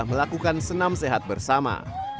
melakukan senam sehat bersama